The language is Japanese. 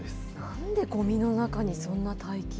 なんで、ごみの中にそんな大金？